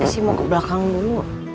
ici mau ke belakang dulu